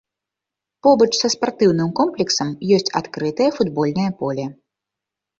Побач са спартыўным комплексам ёсць адкрытае футбольнае поле.